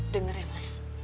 dengar ya mas